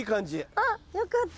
あっよかった！